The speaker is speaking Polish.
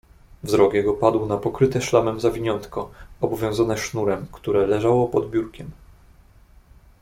"Wzrok jego padł na pokryte szlamem zawiniątko, obwiązane sznurem, które leżało pod biurkiem."